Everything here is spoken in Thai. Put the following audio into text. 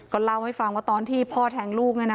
เล่าให้ฟังว่าตอนที่พ่อแทงลูก